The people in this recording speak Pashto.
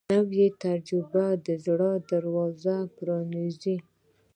نوې تجربه د زړه دروازه پرانیزي